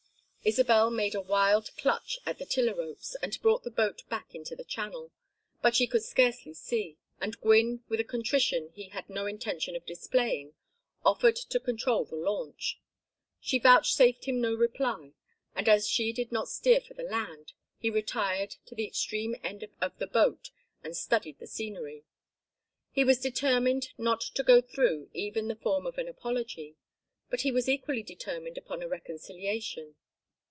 Isabel made a wild clutch at the tiller ropes, and brought the boat back into the channel. But she could scarcely see, and Gwynne with a contrition he had no intention of displaying offered to control the launch. She vouchsafed him no reply, and as she did not steer for the land, he retired to the extreme end of the boat and studied the scenery. He was determined not to go through even the form of an apology, but he was equally determined upon a reconciliation.